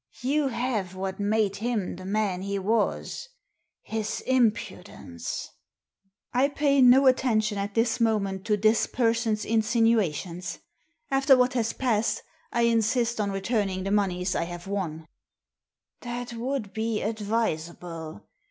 You have what made him the man he was — his impudence." I pay no attention at this moment to this person's insinuations. After what has passed I insist on returning the moneys I have won." " That would be advisable.